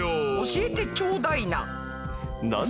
教えてちょうだいな。